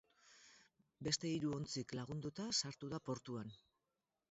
Beste hiru ontzik lagunduta sartu da portuan.